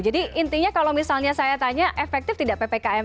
jadi intinya kalau misalnya saya tanya efektif tidak ppk